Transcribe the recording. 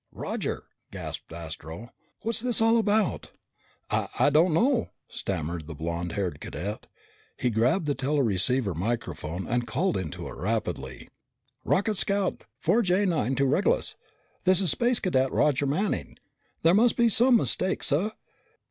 "Roger," gasped Astro, "what's this all about?" "I I don't know," stammered the blond haired cadet. He grabbed the teleceiver microphone and called into it rapidly. "Rocket scout 4J9 to Regulus. This is Space Cadet Roger Manning. There must be some mistake, sir.